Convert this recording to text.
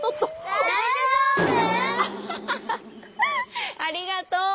アハハハありがとう。